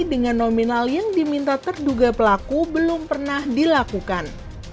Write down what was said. dengan nominal yang diminta terduga pelaku belum pernah dilakukan